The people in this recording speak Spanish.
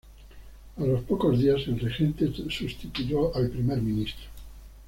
A los pocos días el regente sustituyó al primer ministro.